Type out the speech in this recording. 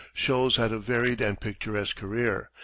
Sholes had a varied and picturesque career.